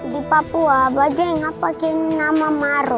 di papua baju yang ngak pake nama maro